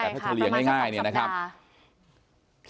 ใช่ค่ะประมาณกับสักสัปดาห์